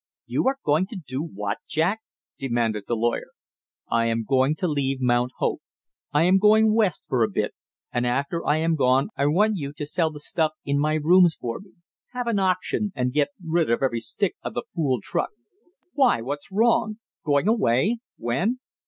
"You are going to do what, Jack?" demanded the lawyer. "I am going to leave Mount Hope. I am going West for a bit, and after I am gone I want you to sell the stuff in my rooms for me; have an auction and get rid of every stick of the fool truck!" "Why, what's wrong? Going away when?"